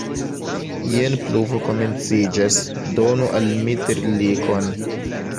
Jen pluvo komenciĝas, donu al mi terlikon!